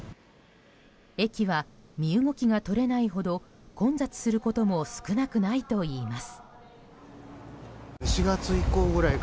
駅は身動きが取れないほど混雑することも少なくないといいます。